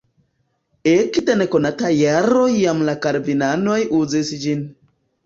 Ekde nekonata jaro jam la kalvinanoj uzis ĝin.